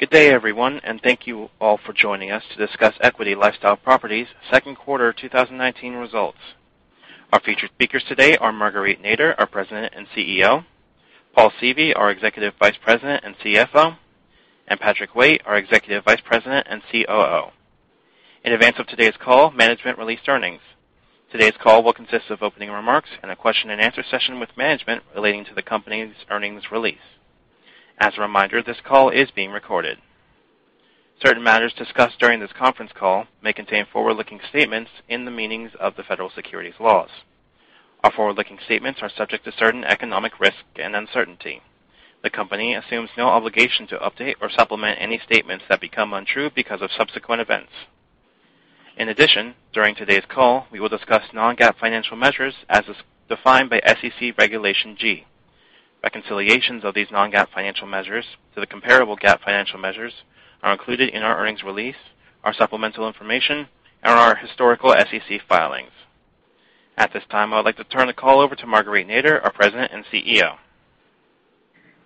Good day, everyone, and thank you all for joining us to discuss Equity LifeStyle Properties Second Quarter 2019 Results. Our featured speakers today are Marguerite Nader, our President and CEO, Paul Seavey, our Executive Vice President and CFO, and Patrick Waite, our Executive Vice President and COO. In advance of today's call, management released earnings. Today's call will consist of opening remarks and a question-and-answer session with management relating to the company's earnings release. As a reminder, this call is being recorded. Certain matters discussed during this conference call may contain forward-looking statements in the meanings of the Federal Securities laws. Our forward-looking statements are subject to certain economic risk and uncertainty. The company assumes no obligation to update or supplement any statements that become untrue because of subsequent events. During today's call, we will discuss non-GAAP financial measures as is defined by SEC Regulation G. Reconciliations of these non-GAAP financial measures to the comparable GAAP financial measures are included in our earnings release, our supplemental information, and our historical SEC filings. At this time, I would like to turn the call over to Marguerite Nader, our President and CEO.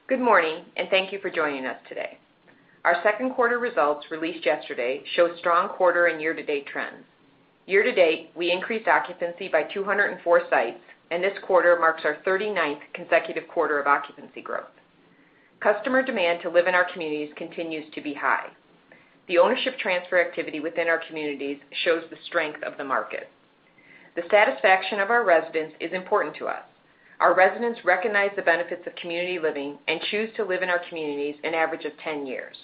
Good morning, and thank you for joining us today. Our second quarter results, released yesterday, show strong quarter and year-to-date trends. Year-to-date, we increased occupancy by 204 sites, and this quarter marks our 39th consecutive quarter of occupancy growth. Customer demand to live in our communities continues to be high. The ownership transfer activity within our communities shows the strength of the market. The satisfaction of our residents is important to us. Our residents recognize the benefits of community living and choose to live in our communities an average of 10 years.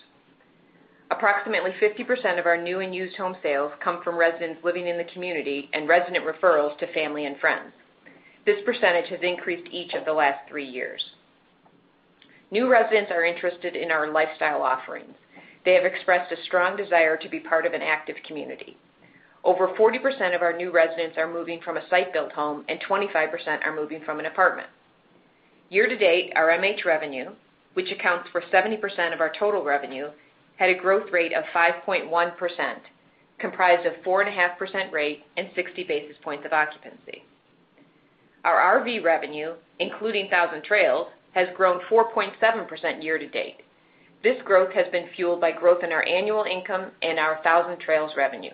Approximately 50% of our new and used home sales come from residents living in the community and resident referrals to family and friends. This percentage has increased each of the last three years. New residents are interested in our lifestyle offerings. They have expressed a strong desire to be part of an active community. Over 40% of our new residents are moving from a site-built home. 25% are moving from an apartment. Year to date, our MH revenue, which accounts for 70% of our total revenue, had a growth rate of 5.1%, comprised of 4.5% rate and 60 basis points of occupancy. Our RV revenue, including Thousand Trails, has grown 4.7% year to date. This growth has been fueled by growth in our annual income and our Thousand Trails revenue.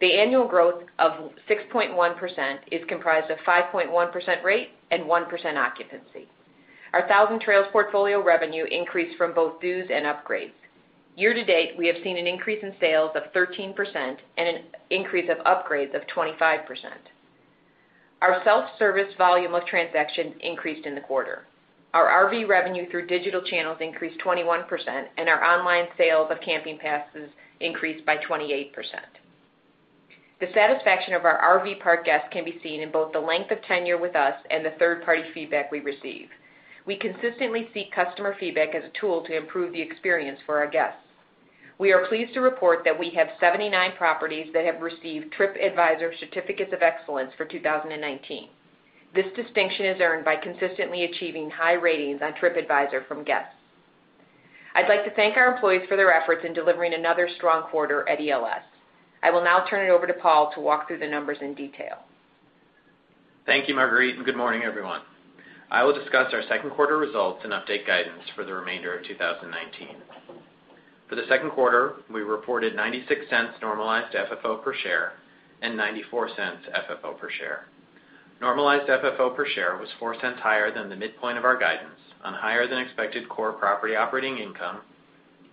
The annual growth of 6.1% is comprised of 5.1% rate and 1% occupancy. Our Thousand Trails portfolio revenue increased from both dues and upgrades. Year to date, we have seen an increase in sales of 13% and an increase of upgrades of 25%. Our self-service volume of transactions increased in the quarter. Our RV revenue through digital channels increased 21%. Our online sales of camping passes increased by 28%. The satisfaction of our RV park guests can be seen in both the length of tenure with us and the third-party feedback we receive. We consistently seek customer feedback as a tool to improve the experience for our guests. We are pleased to report that we have 79 properties that have received TripAdvisor Certificate of Excellence for 2019. This distinction is earned by consistently achieving high ratings on TripAdvisor from guests. I'd like to thank our employees for their efforts in delivering another strong quarter at ELS. I will now turn it over to Paul to walk through the numbers in detail. Thank you, Marguerite, and good morning, everyone. I will discuss our second quarter results and update guidance for the remainder of 2019. For the second quarter, we reported $0.96 Normalized FFO per share and $0.94 FFO per share. Normalized FFO per share was $0.04 higher than the midpoint of our guidance on higher-than-expected core property operating income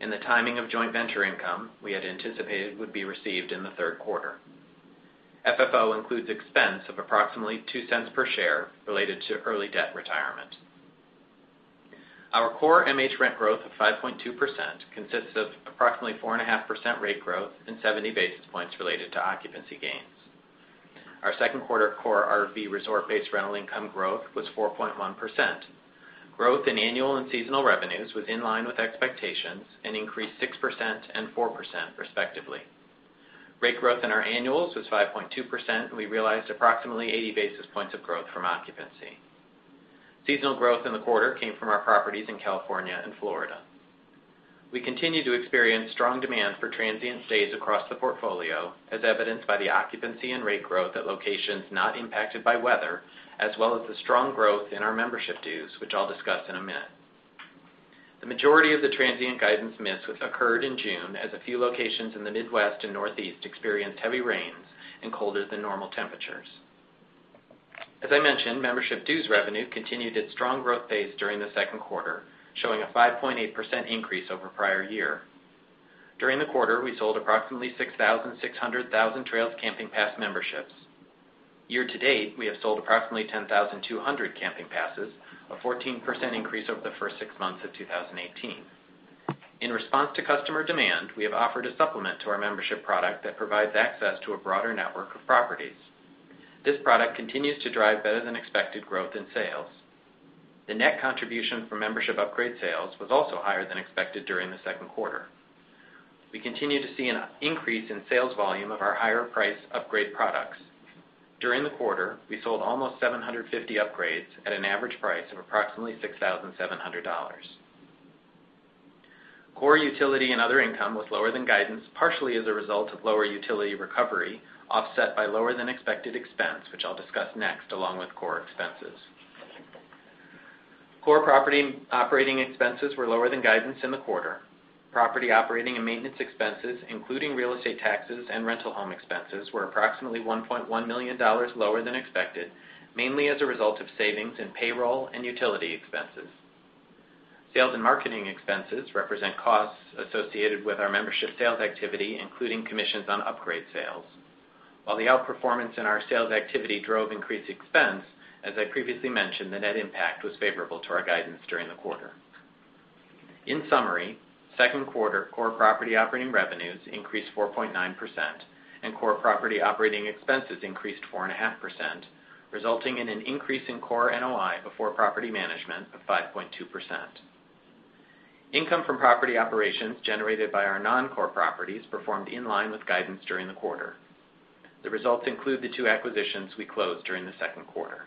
and the timing of joint venture income we had anticipated would be received in the third quarter. FFO includes expense of approximately $0.02 per share related to early debt retirement. Our core MH rent growth of 5.2% consists of approximately 4.5% rate growth and 70 basis points related to occupancy gains. Our second quarter core RV resort-based rental income growth was 4.1%. Growth in annual and seasonal revenues was in line with expectations and increased 6% and 4%, respectively. Rate growth in our annuals was 5.2%, and we realized approximately 80 basis points of growth from occupancy. Seasonal growth in the quarter came from our properties in California and Florida. We continue to experience strong demand for transient stays across the portfolio, as evidenced by the occupancy and rate growth at locations not impacted by weather, as well as the strong growth in our membership dues, which I'll discuss in a minute. The majority of the transient guidance miss occurred in June as a few locations in the Midwest and Northeast experienced heavy rains and colder-than-normal temperatures. As I mentioned, membership dues revenue continued its strong growth pace during the second quarter, showing a 5.8% increase over prior year. During the quarter, we sold approximately 6,600 Thousand Trails camping pass memberships. Year to date, we have sold approximately 10,200 camping passes, a 14% increase over the first six months of 2018. In response to customer demand, we have offered a supplement to our membership product that provides access to a broader network of properties. This product continues to drive better-than-expected growth in sales. The net contribution from membership upgrade sales was also higher than expected during the second quarter. We continue to see an increase in sales volume of our higher-priced upgrade products. During the quarter, we sold almost 750 upgrades at an average price of approximately $6,700. Core utility and other income was lower than guidance, partially as a result of lower utility recovery, offset by lower-than-expected expense, which I'll discuss next, along with core expenses. Core property operating expenses were lower than guidance in the quarter. Property operating and maintenance expenses, including real estate taxes and rental home expenses, were approximately $1.1 million lower than expected, mainly as a result of savings in payroll and utility expenses. Sales and marketing expenses represent costs associated with our membership sales activity, including commissions on upgrade sales. While the outperformance in our sales activity drove increased expense, as I previously mentioned, the net impact was favorable to our guidance during the quarter. In summary, second quarter core property operating revenues increased 4.9%, and core property operating expenses increased 4.5%, resulting in an increase in core NOI before property management of 5.2%. Income from property operations generated by our non-core properties performed in line with guidance during the quarter. The results include the two acquisitions we closed during the second quarter.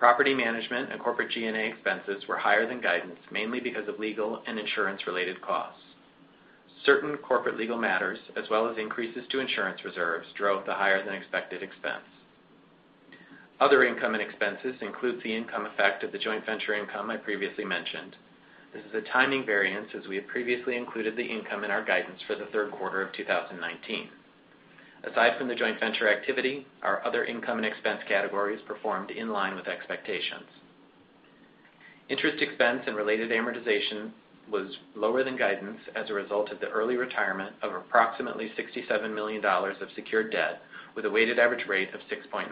Property management and corporate G&A expenses were higher than guidance, mainly because of legal and insurance-related costs. Certain corporate legal matters, as well as increases to insurance reserves, drove the higher-than-expected expense. Other income and expenses includes the income effect of the joint venture income I previously mentioned. This is a timing variance, as we had previously included the income in our guidance for the third quarter of 2019. Aside from the joint venture activity, our other income and expense categories performed in line with expectations. Interest expense and related amortization was lower than guidance as a result of the early retirement of approximately $67 million of secured debt with a weighted average rate of 6.9%.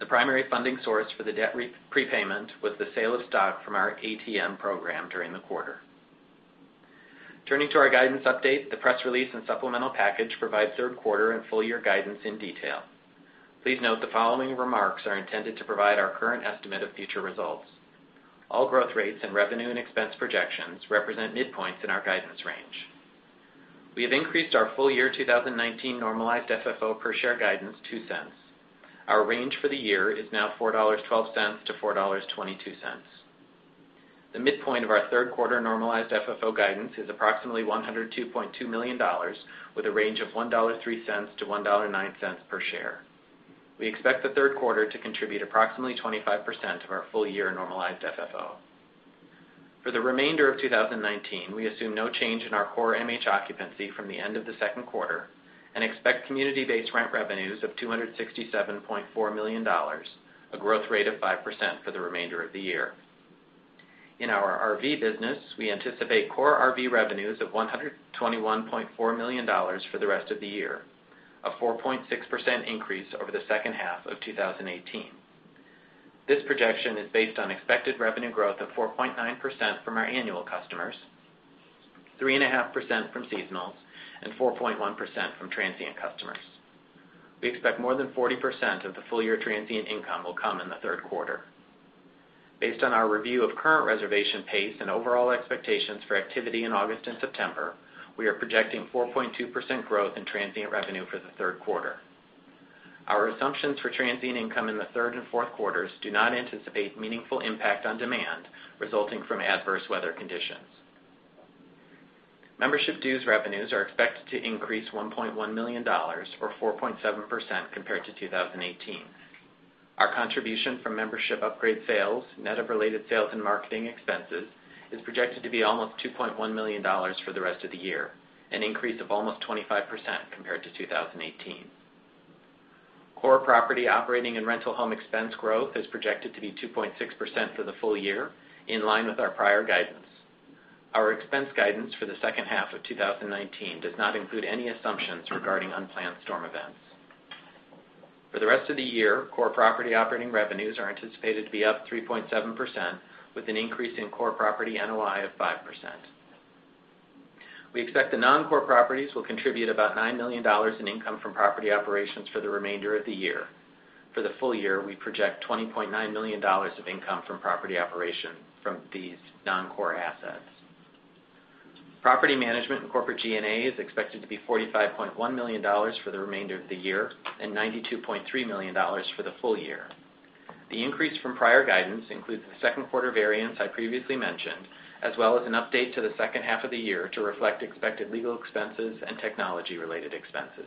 The primary funding source for the debt prepayment was the sale of stock from our ATM program during the quarter. Turning to our guidance update, the press release and supplemental package provide third quarter and full-year guidance in detail. Please note the following remarks are intended to provide our current estimate of future results. All growth rates and revenue and expense projections represent midpoints in our guidance range. We have increased our full-year 2019 Normalized FFO per share guidance $0.02. Our range for the year is now $4.12-$4.22. The midpoint of our third quarter Normalized FFO guidance is approximately $102.2 million, with a range of $1.03-$1.09 per share. We expect the third quarter to contribute approximately 25% of our full-year Normalized FFO. For the remainder of 2019, we assume no change in our core MH occupancy from the end of the second quarter and expect community-based rent revenues of $267.4 million, a growth rate of 5% for the remainder of the year. In our RV business, we anticipate core RV revenues of $121.4 million for the rest of the year, a 4.6% increase over the second half of 2018. This projection is based on expected revenue growth of 4.9% from our annual customers, 3.5% from seasonals, and 4.1% from transient customers. We expect more than 40% of the full-year transient income will come in the third quarter. Based on our review of current reservation pace and overall expectations for activity in August and September, we are projecting 4.2% growth in transient revenue for the third quarter. Our assumptions for transient income in the third and fourth quarters do not anticipate meaningful impact on demand resulting from adverse weather conditions. Membership dues revenues are expected to increase $1.1 million, or 4.7%, compared to 2018. Our contribution from membership upgrade sales, net of related sales and marketing expenses, is projected to be almost $2.1 million for the rest of the year, an increase of almost 25% compared to 2018. Core property operating and rental home expense growth is projected to be 2.6% for the full year, in line with our prior guidance. Our expense guidance for the second half of 2019 does not include any assumptions regarding unplanned storm events. For the rest of the year, core property operating revenues are anticipated to be up 3.7%, with an increase in core property NOI of 5%. We expect the non-core properties will contribute about $9 million in income from property operations for the remainder of the year. For the full year, we project $20.9 million of income from property operation from these non-core assets. Property management and corporate G&A is expected to be $45.1 million for the remainder of the year and $92.3 million for the full year. The increase from prior guidance includes the second quarter variance I previously mentioned, as well as an update to the second half of the year to reflect expected legal expenses and technology-related expenses.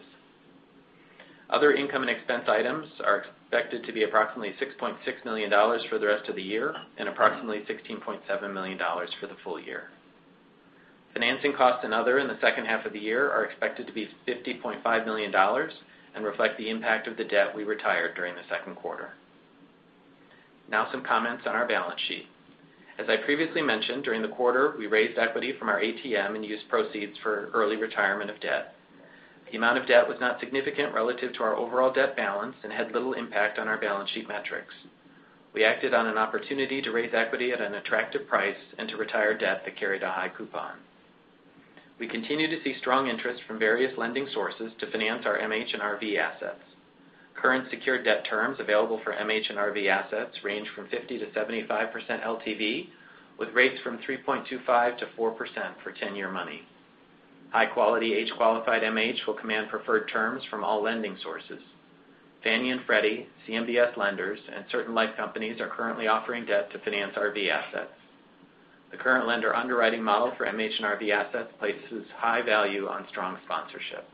Other income and expense items are expected to be approximately $6.6 million for the rest of the year and approximately $16.7 million for the full year. Financing costs and other in the second half of the year are expected to be $50.5 million and reflect the impact of the debt we retired during the second quarter. Some comments on our balance sheet. As I previously mentioned, during the quarter, we raised equity from our ATM and used proceeds for early retirement of debt. The amount of debt was not significant relative to our overall debt balance and had little impact on our balance sheet metrics. We acted on an opportunity to raise equity at an attractive price and to retire debt that carried a high coupon. We continue to see strong interest from various lending sources to finance our MH and RV assets. Current secured debt terms available for MH and RV assets range from 50%-75% LTV, with rates from 3.25%-4% for 10-year money. High-quality, age-qualified MH will command preferred terms from all lending sources. Fannie and Freddie, CMBS lenders, and certain life companies are currently offering debt to finance RV assets. The current lender underwriting model for MH and RV assets places high value on strong sponsorship.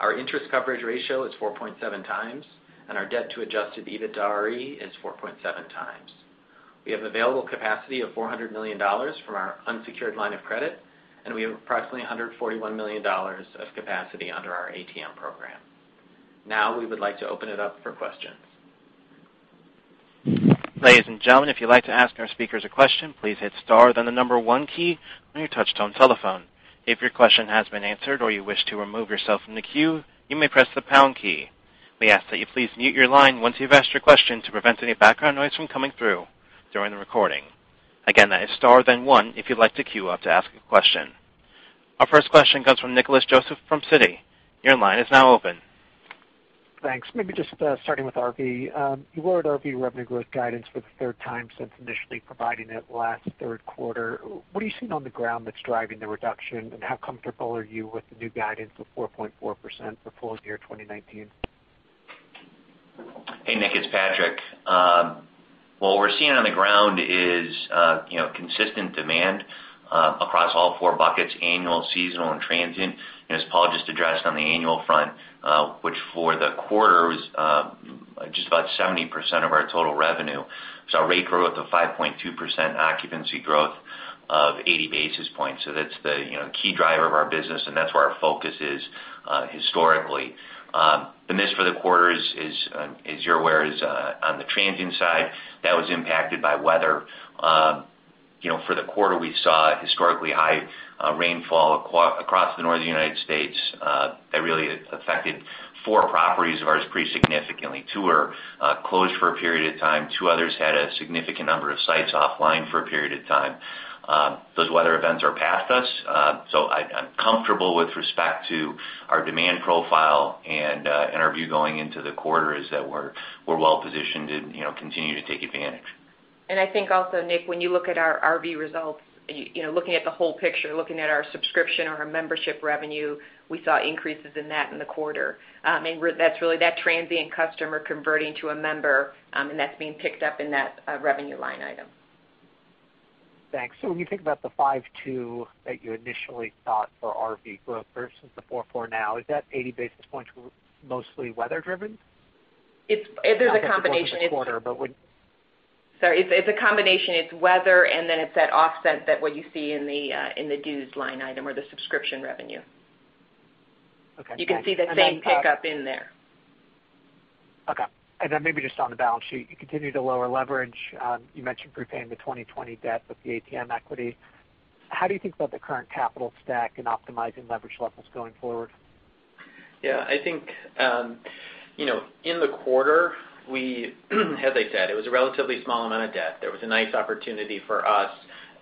Our interest coverage ratio is 4.7x, and our debt to adjusted EBITDAre is 4.7x. We have available capacity of $400 million from our unsecured line of credit, and we have approximately $141 million of capacity under our ATM program. Now, we would like to open it up for questions. Ladies and gentlemen, if you'd like to ask our speakers a question, please hit star, then the number one key on your touch-tone telephone. If your question has been answered or you wish to remove yourself from the queue, you may press the pound key. We ask that you please mute your line once you've asked your question to prevent any background noise from coming through during the recording. Again, that is star, then one if you'd like to queue up to ask a question. Our first question comes from Nicholas Joseph from Citi. Your line is now open. Thanks. Maybe just starting with RV. You lowered RV revenue growth guidance for the third time since initially providing it last third quarter. What are you seeing on the ground that's driving the reduction, and how comfortable are you with the new guidance of 4.4% for full year 2019? Hey, Nick, it's Patrick. What we're seeing on the ground is consistent demand across all four buckets, annual, seasonal, and transient, and as Paul just addressed on the annual front which for the quarter is just about 70% of our total revenue. Our rate grew at the 5.2% occupancy growth of 80 basis points. That's the key driver of our business, and that's where our focus is historically. The miss for the quarter as you're aware, is on the transient side. That was impacted by weather. For the quarter, we saw historically high rainfall across the northern U.S., that really affected four properties of ours pretty significantly. Two were closed for a period of time, two others had a significant number of sites offline for a period of time. Those weather events are past us, so I'm comfortable with respect to our demand profile and our view going into the quarter is that we're well-positioned to continue to take advantage. I think also, Nick, when you look at our RV results, looking at the whole picture, looking at our subscription or our membership revenue, we saw increases in that in the quarter. That's really that transient customer converting to a member, and that's being picked up in that revenue line item. Thanks. When you think about the 5.2% that you initially thought for RV growth versus the 4.4% now, is that 80 basis points mostly weather driven? It's a combination. Quarter, but Sorry. It's a combination. It's weather and it's that offset that what you see in the dues line item or the subscription revenue. Okay. You can see the same pickup in there. Okay. Maybe just on the balance sheet, you continue to lower leverage. You mentioned prepaying the 2020 debt with the ATM equity. How do you think about the current capital stack and optimizing leverage levels going forward? Yeah, I think, in the quarter, we as I said, it was a relatively small amount of debt. There was a nice opportunity for us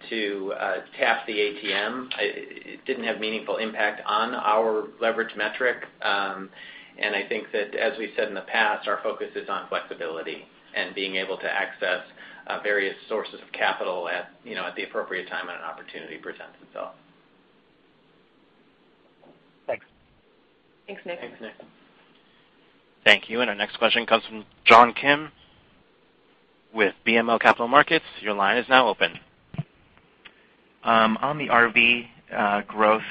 to tap the ATM. It didn't have meaningful impact on our leverage metric. I think that, as we've said in the past, our focus is on flexibility and being able to access various sources of capital at the appropriate time when an opportunity presents itself. Thanks. Thanks, Nick. Thanks, Nick. Thank you. Our next question comes from John Kim with BMO Capital Markets. Your line is now open. On the RV growth,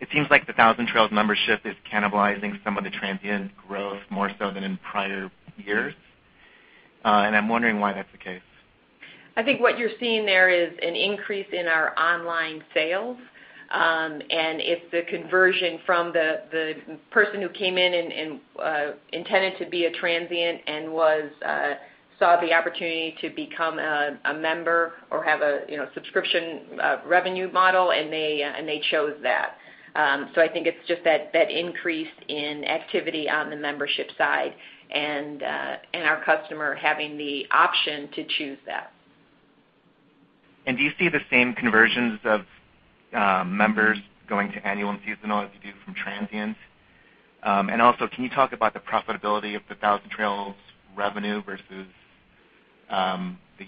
it seems like the Thousand Trails membership is cannibalizing some of the transient growth more so than in prior years. I'm wondering why that's the case? I think what you're seeing there is an increase in our online sales, and it's the conversion from the person who came in and intended to be a transient and saw the opportunity to become a member or have a subscription revenue model, and they chose that. I think it's just that increase in activity on the membership side and our customer having the option to choose that. Do you see the same conversions of members going to annual and seasonal as you do from transients? Can you talk about the profitability of the Thousand Trails revenue versus the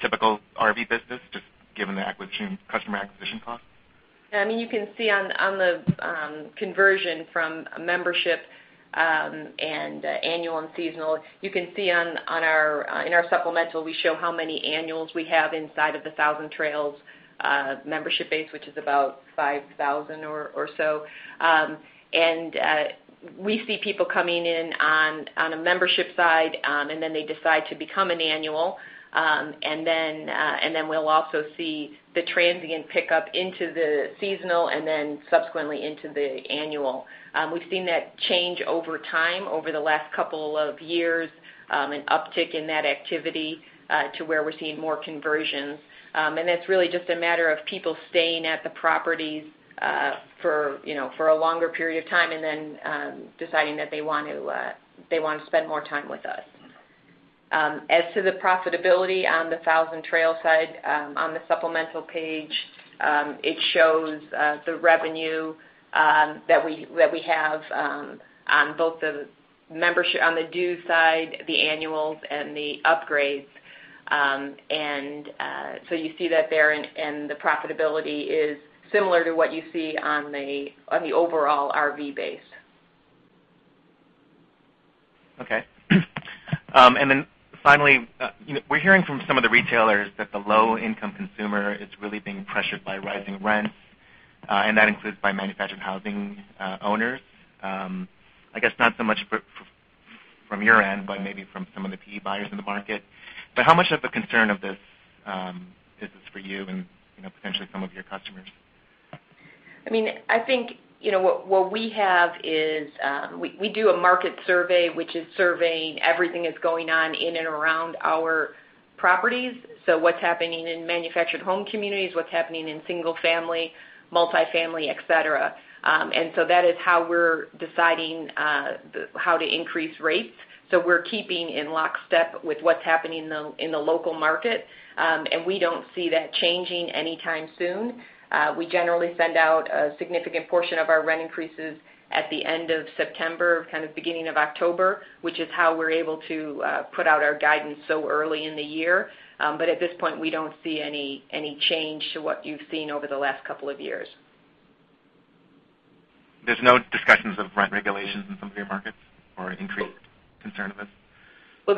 typical RV business, just given the customer acquisition cost? You can see on the conversion from membership and annual and seasonal, you can see in our supplemental, we show how many annuals we have inside of the Thousand Trails membership base, which is about 5,000 or so. We see people coming in on a membership side, and then they decide to become an annual, and then we'll also see the transient pick up into the seasonal and then subsequently into the annual. We've seen that change over time over the last couple of years, an uptick in that activity, to where we're seeing more conversions. That's really just a matter of people staying at the properties for a longer period of time and then deciding that they want to spend more time with us. As to the profitability on the Thousand Trails side, on the supplemental page, it shows the revenue that we have on both the membership on the due side, the annuals, and the upgrades. You see that there and the profitability is similar to what you see on the overall RV base. Okay. Finally, we're hearing from some of the retailers that the low-income consumer is really being pressured by rising rents, and that includes by manufactured housing owners. I guess not so much from your end, but maybe from some of the PE buyers in the market. How much of a concern of this is this for you and potentially some of your customers? I think what we have is, we do a market survey, which is surveying everything that's going on in and around our properties. What's happening in manufactured home communities, what's happening in single-family, multi-family, et cetera. That is how we're deciding how to increase rates. We're keeping in lockstep with what's happening in the local market. We don't see that changing anytime soon. We generally send out a significant portion of our rent increases at the end of September, kind of beginning of October, which is how we're able to put out our guidance so early in the year. At this point, we don't see any change to what you've seen over the last couple of years. There's no discussions of rent regulations in some of your markets or increased concern of this?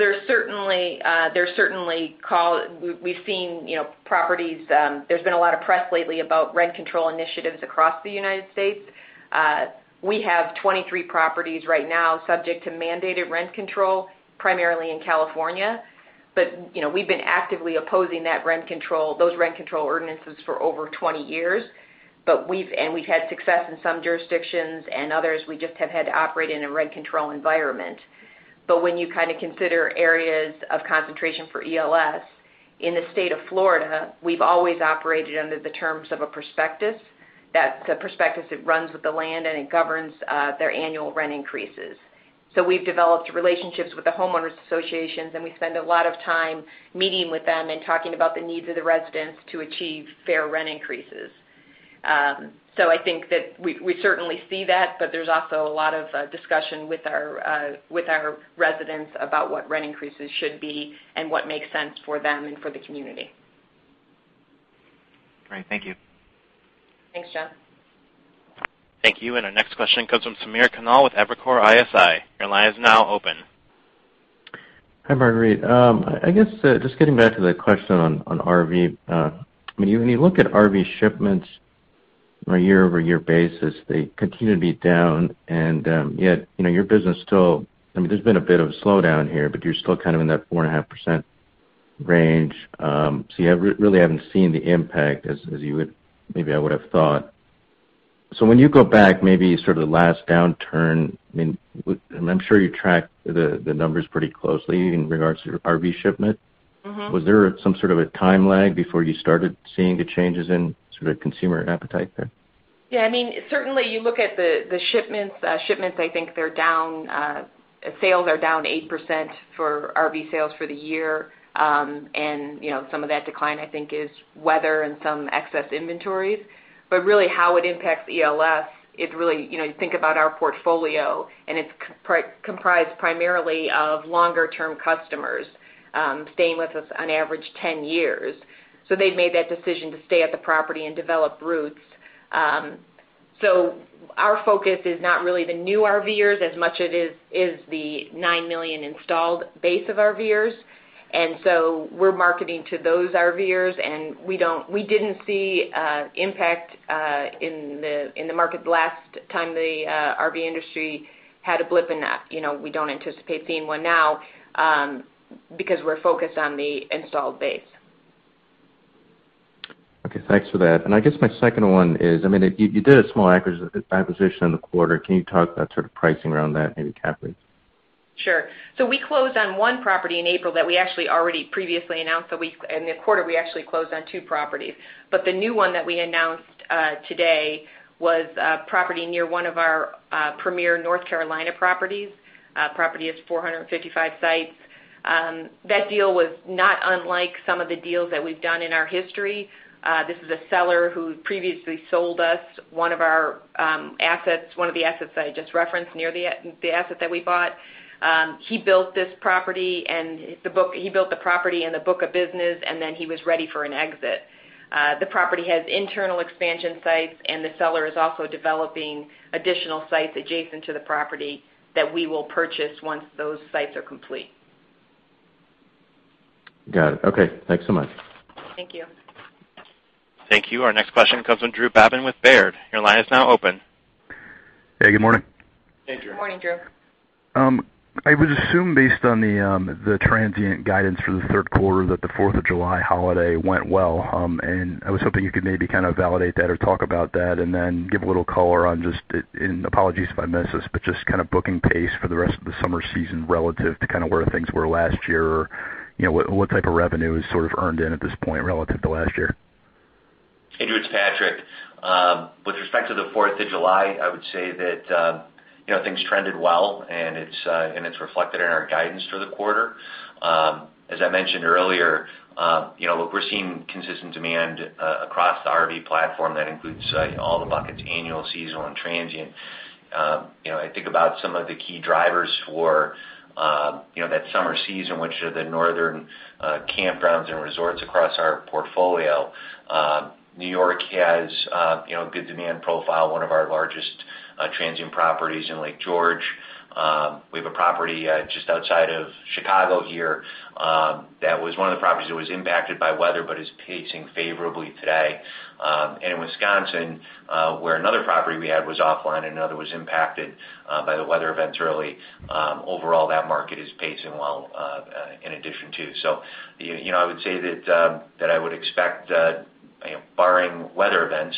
We've seen properties, there's been a lot of press lately about rent control initiatives across the U.S. We have 23 properties right now subject to mandated rent control, primarily in California. We've been actively opposing those rent control ordinances for over 20 years, and we've had success in some jurisdictions and others we just have had to operate in a rent control environment. When you kind of consider areas of concentration for ELS, in the state of Florida, we've always operated under the terms of a prospectus. That's a prospectus that runs with the land, and it governs their annual rent increases. We've developed relationships with the homeowners associations, and we spend a lot of time meeting with them and talking about the needs of the residents to achieve fair rent increases. I think that we certainly see that, but there's also a lot of discussion with our residents about what rent increases should be and what makes sense for them and for the community. Great. Thank you. Thanks, John. Thank you. Our next question comes from Samir Khanal with Evercore ISI. Your line is now open. Hi, Marguerite. I guess, just getting back to the question on RV. When you look at RV shipments on a year-over-year basis, they continue to be down, and yet your business still, there's been a bit of a slowdown here, but you're still kind of in that 4.5% range. You really haven't seen the impact as maybe I would have thought. When you go back maybe sort of the last downturn, and I'm sure you tracked the numbers pretty closely in regards to your RV shipment. Was there some sort of a time lag before you started seeing the changes in sort of consumer appetite there? Certainly, you look at the shipments. Shipments, I think, sales are down 8% for RV sales for the year. Some of that decline, I think, is weather and some excess inventories. Really how it impacts ELS is really, you think about our portfolio, and it's comprised primarily of longer-term customers, staying with us on average 10 years. They've made that decision to stay at the property and develop roots. Our focus is not really the new RVers as much as it is the 9 million installed base of RVers. We're marketing to those RVers, and we didn't see impact in the market the last time the RV industry had a blip in that. We don't anticipate seeing one now, because we're focused on the installed base. Okay. Thanks for that. I guess my second one is, you did a small acquisition in the quarter. Can you talk about sort of pricing around that, maybe, Marguerite? Sure. We closed on one property in April that we actually already previously announced. In the quarter, we actually closed on two properties. The new one that we announced today was a property near one of our premier North Carolina properties. Property is 455 sites. That deal was not unlike some of the deals that we've done in our history. This is a seller who previously sold us one of our assets, one of the assets that I just referenced near the asset that we bought. He built this property, and he built the property and the book of business, and then he was ready for an exit. The property has internal expansion sites, and the seller is also developing additional sites adjacent to the property that we will purchase once those sites are complete. Got it. Okay. Thanks so much. Thank you. Thank you. Our next question comes from Drew Babin with Baird. Your line is now open. Hey, good morning. Good morning, Drew. I would assume, based on the transient guidance for the third quarter, that the 4th of July holiday went well. I was hoping you could maybe kind of validate that or talk about that, and then give a little color on just, and apologies if I miss this, but just kind of booking pace for the rest of the summer season relative to kind of where things were last year, or what type of revenue is sort of earned in at this point relative to last year. Hey, Drew. It's Patrick. With respect to the 4th of July, I would say that things trended well, and it's reflected in our guidance for the quarter. As I mentioned earlier, we're seeing consistent demand across the RV platform. That includes all the buckets, annual, seasonal, and transient. I think about some of the key drivers for that summer season, which are the northern campgrounds and resorts across our portfolio. New York has a good demand profile, one of our largest Transient properties in Lake George. We have a property just outside of Chicago here that was one of the properties that was impacted by weather, but is pacing favorably today. In Wisconsin, where another property we had was offline and another was impacted by the weather events early. Overall, that market is pacing well in addition too. I would say that I would expect, barring weather events,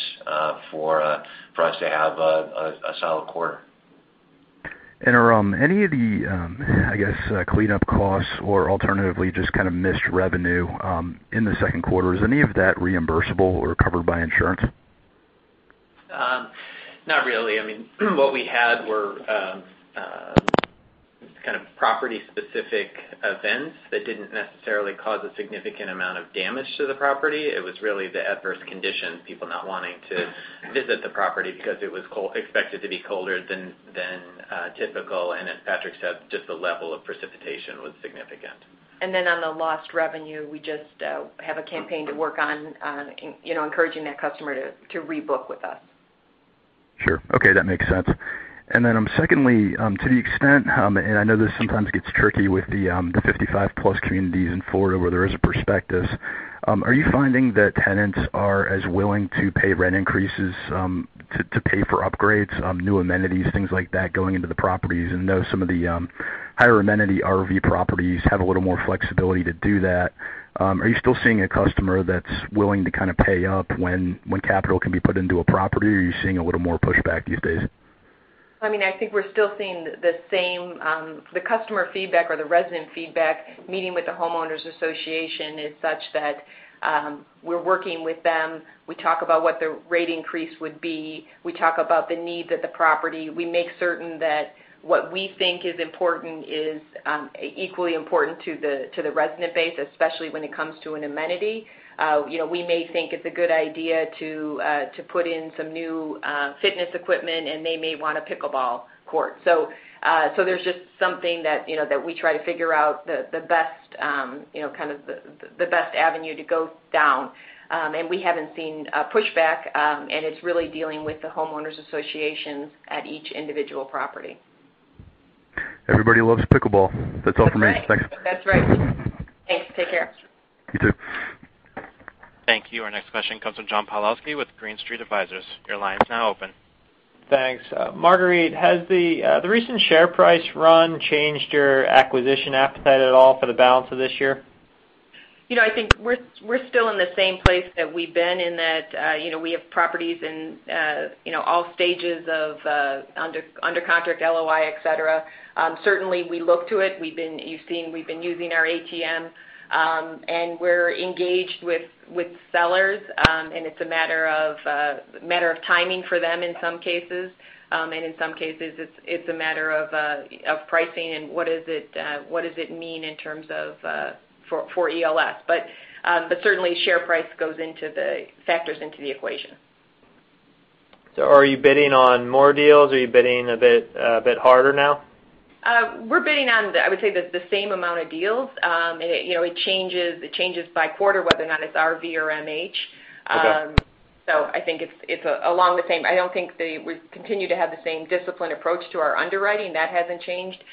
for us to have a solid quarter. Are any of the, I guess, cleanup costs or alternatively just kind of missed revenue in the second quarter, is any of that reimbursable or covered by insurance? Not really. What we had were kind of property-specific events that didn't necessarily cause a significant amount of damage to the property. It was really the adverse conditions, people not wanting to visit the property because it was expected to be colder than typical. As Patrick said, just the level of precipitation was significant. On the lost revenue, we just have a campaign to work on encouraging that customer to rebook with us. Sure. Okay. That makes sense. Secondly, to the extent, and I know this sometimes gets tricky with the 55-plus communities in Florida where there is a prospectus, are you finding that tenants are as willing to pay rent increases to pay for upgrades, new amenities, things like that, going into the properties? I know some of the higher amenity RV properties have a little more flexibility to do that. Are you still seeing a customer that's willing to kind of pay up when capital can be put into a property or are you seeing a little more pushback these days? I think we're still seeing the customer feedback or the resident feedback, meeting with the homeowners association is such that we're working with them. We talk about what the rate increase would be. We talk about the needs at the property. We make certain that what we think is important is equally important to the resident base, especially when it comes to an amenity. We may think it's a good idea to put in some new fitness equipment, and they may want a pickleball court. There's just something that we try to figure out the best avenue to go down. We haven't seen a pushback, and it's really dealing with the homeowners associations at each individual property. Everybody loves pickleball. That's all for me. Thanks. That's right. Thanks. Take care. You too. Thank you. Our next question comes from John Pawlowski with Green Street Advisors. Your line is now open. Thanks. Marguerite, has the recent share price run changed your acquisition appetite at all for the balance of this year? I think we're still in the same place that we've been in that we have properties in all stages of under contract LOI, et cetera. Certainly, we look to it. You've seen we've been using our ATM. We're engaged with sellers. It's a matter of timing for them in some cases. In some cases, it's a matter of pricing and what does it mean in terms of for ELS. Certainly, share price factors into the equation. Are you bidding on more deals? Are you bidding a bit harder now? We're bidding on, I would say, the same amount of deals. It changes by quarter whether or not it's RV or MH. Okay. I think it's along the same. I don't think they would continue to have the same disciplined approach to our underwriting. That hasn't changed,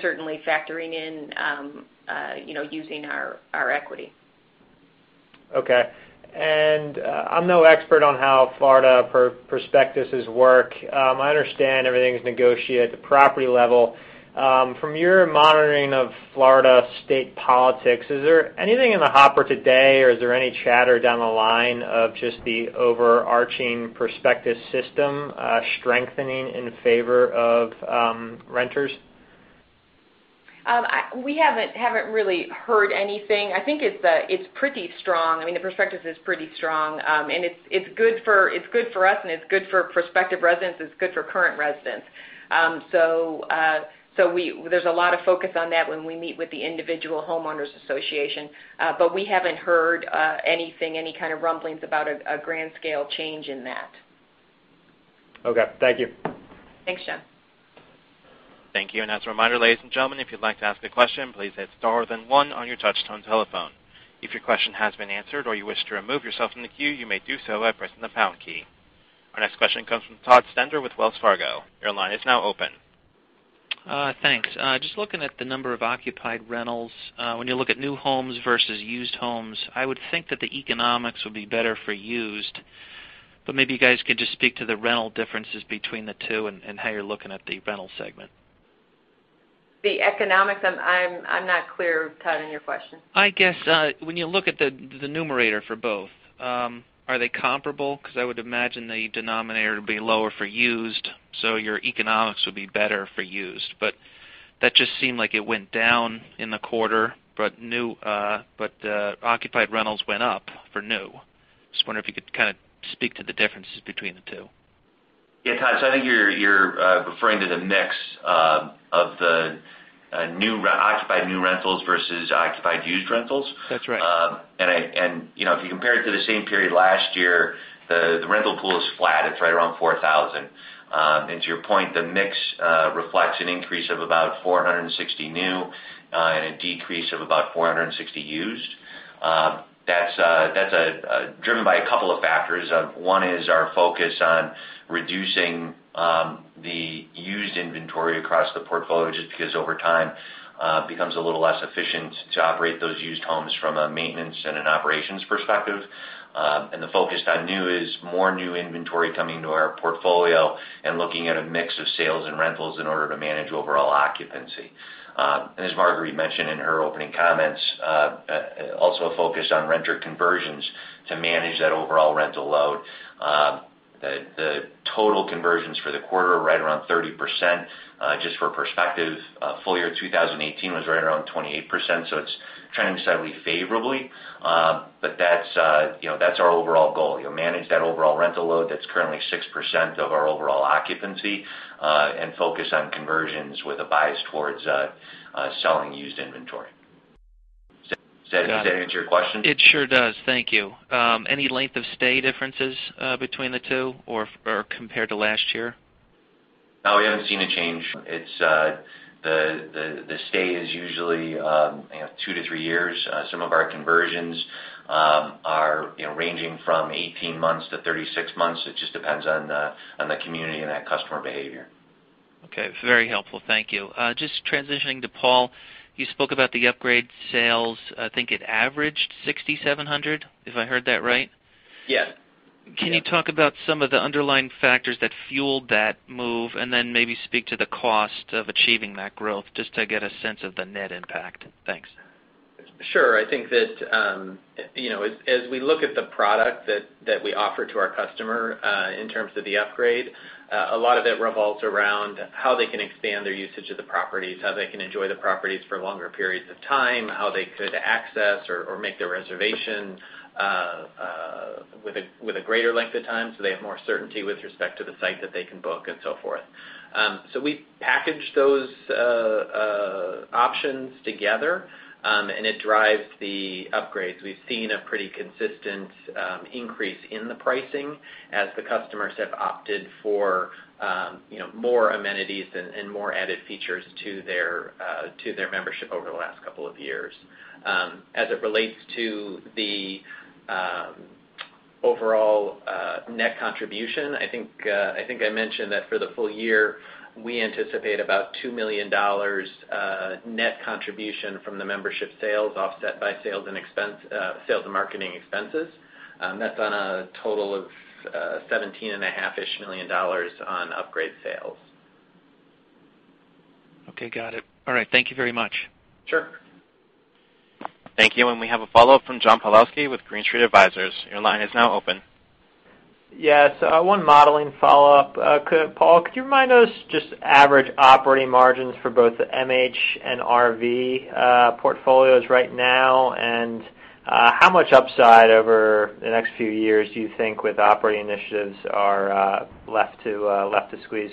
certainly factoring in using our equity. Okay. I'm no expert on how Florida prospectuses work. I understand everything's negotiated at the property level. From your monitoring of Florida state politics, is there anything in the hopper today, or is there any chatter down the line of just the overarching prospectus system strengthening in favor of renters? We haven't really heard anything. I think it's pretty strong. The prospectus is pretty strong. It's good for us, and it's good for prospective residents. It's good for current residents. There's a lot of focus on that when we meet with the individual homeowners association, but we haven't heard anything, any kind of rumblings about a grand scale change in that. Okay. Thank you. Thanks, John. Thank you. As a reminder, ladies and gentlemen, if you'd like to ask a question, please hit star then one on your touch-tone telephone. If your question has been answered or you wish to remove yourself from the queue, you may do so by pressing the pound key. Our next question comes from Todd Stender with Wells Fargo. Your line is now open. Thanks. Just looking at the number of occupied rentals, when you look at new homes versus used homes, I would think that the economics would be better for used, maybe you guys could just speak to the rental differences between the two and how you're looking at the rental segment. The economics, I'm not clear, Todd, on your question. I guess, when you look at the numerator for both, are they comparable? I would imagine the denominator would be lower for used, so your economics would be better for used. That just seemed like it went down in the quarter, but occupied rentals went up for new. I just wonder if you could kind of speak to the differences between the two. Yeah, Todd. I think you're referring to the mix of the occupied new rentals versus occupied used rentals? That's right. If you compare it to the same period last year, the rental pool is flat. It's right around 4,000. To your point, the mix reflects an increase of about 460 new and a decrease of about 460 used. That's driven by a couple of factors. One is our focus on reducing the used inventory across the portfolio, just because over time, it becomes a little less efficient to operate those used homes from a maintenance and an operations perspective. The focus on new is more new inventory coming to our portfolio and looking at a mix of sales and rentals in order to manage overall occupancy. As Marguerite mentioned in her opening comments, also a focus on renter conversions to manage that overall rental load. The total conversions for the quarter are right around 30%. Just for perspective, full year 2018 was right around 28%, so it's trending slightly favorably. That's our overall goal. Manage that overall rental load that's currently 6% of our overall occupancy, and focus on conversions with a bias towards selling used inventory. Does that answer your question? It sure does. Thank you. Any length of stay differences between the two or compared to last year? We haven't seen a change. The stay is usually two to three years. Some of our conversions are ranging from 18 months to 36 months. It just depends on the community and that customer behavior. Okay. Very helpful. Thank you. Just transitioning to Paul, you spoke about the upgrade sales. I think it averaged $6,700, if I heard that right? Yes. Can you talk about some of the underlying factors that fueled that move, and then maybe speak to the cost of achieving that growth, just to get a sense of the net impact? Thanks. Sure. I think that as we look at the product that we offer to our customer, in terms of the upgrade, a lot of it revolves around how they can expand their usage of the properties, how they can enjoy the properties for longer periods of time, how they could access or make their reservation with a greater length of time, so they have more certainty with respect to the site that they can book and so forth. We package those options together, and it drives the upgrades. We've seen a pretty consistent increase in the pricing as the customers have opted for more amenities and more added features to their membership over the last couple of years. As it relates to the overall net contribution, I think I mentioned that for the full year, we anticipate about $2 million net contribution from the membership sales offset by sales and marketing expenses. That's on a total of $17.5-ish million on upgrade sales. Okay, got it. All right. Thank you very much. Sure. Thank you. We have a follow-up from John Pawlowski with Green Street Advisors. Your line is now open. Yes. One modeling follow-up. Paul, could you remind us just average operating margins for both the MH and RV portfolios right now, and how much upside over the next few years do you think with operating initiatives are left to squeeze?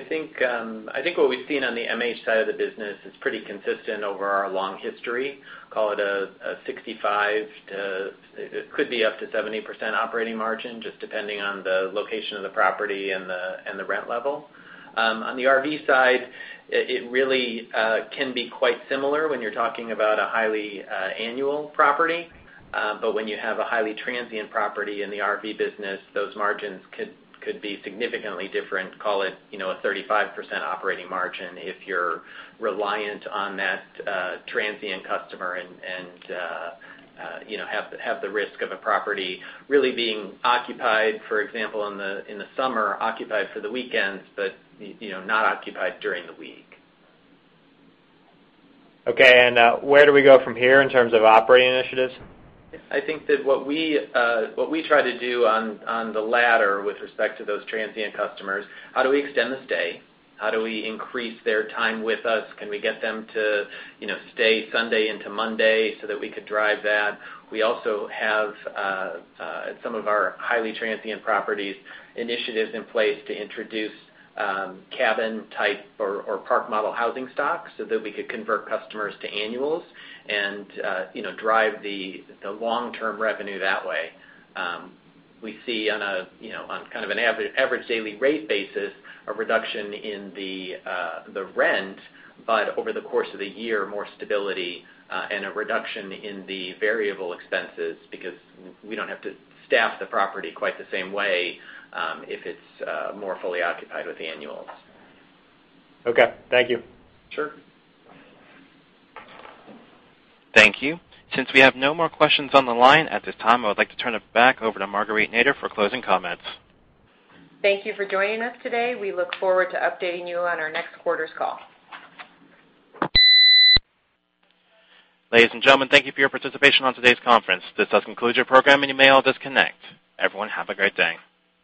I think what we've seen on the MH side of the business is pretty consistent over our long history. Call it a 65%, it could be up to 70% operating margin, just depending on the location of the property and the rent level. On the RV side, it really can be quite similar when you're talking about a highly annual property. When you have a highly transient property in the RV business, those margins could be significantly different. Call it a 35% operating margin if you're reliant on that transient customer and have the risk of a property really being occupied, for example, in the summer, occupied for the weekends, but not occupied during the week. Okay. Where do we go from here in terms of operating initiatives? I think that what we try to do on the latter, with respect to those transient customers, how do we extend the stay? How do we increase their time with us? Can we get them to stay Sunday into Monday so that we could drive that? We also have, at some of our highly transient properties, initiatives in place to introduce cabin type or park model housing stock so that we could convert customers to annuals and drive the long-term revenue that way. We see on kind of an average daily rate basis, a reduction in the rent, but over the course of the year, more stability and a reduction in the variable expenses because we don't have to staff the property quite the same way if it's more fully occupied with annuals. Okay. Thank you. Sure. Thank you. Since we have no more questions on the line at this time, I would like to turn it back over to Marguerite Nader for closing comments. Thank you for joining us today. We look forward to updating you on our next quarter's call. Ladies and gentlemen, thank you for your participation on today's conference. This does conclude your program. You may all disconnect. Everyone, have a great day.